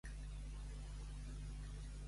Els morts no tornen al món.